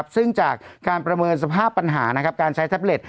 ซึ่งจากการประเมินสภาพปัญหาการใช้แท็บเล็ต